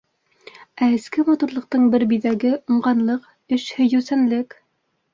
Ә эске матурлыҡтың бер биҙәге— уңғанлыҡ, эш һөйөүсәнлек.